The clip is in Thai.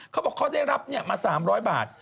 เขาบอกเขาได้รับมาสามร้อยบาท